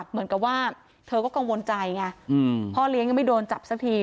เหมือนกับว่าเธอก็กังวลใจไงพ่อเลี้ยงยังไม่โดนจับสักที